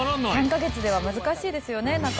「３カ月では難しいですよねなかなか」